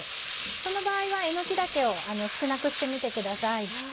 その場合はえのき茸を少なくしてみてください。